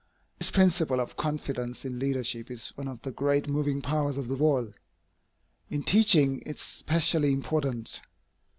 This principle of confidence in leadership is one of the great moving powers of the world. In teaching, it is specially important.